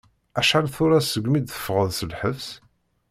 Acḥal tura segmi d-teffɣeḍ seg lḥebs?